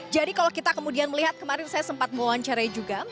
jadi kalau kita kemudian melihat kemarin saya sempat mewawancarai juga